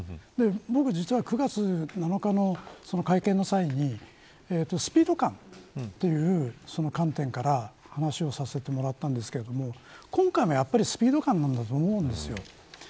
僕、実は９月７日の会見の際にスピード感という観点から話をさせてもらったんですけど今回もやっぱりスピード感なんだと思うんです。